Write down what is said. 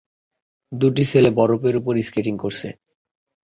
দুজন ছেলে বরফের ওপর স্কেটিং করছে।